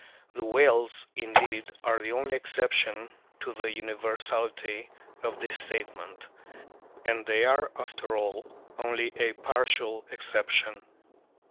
The whales indeed are the only exception to the universality of this statement, and they are, after all, only a partial exception.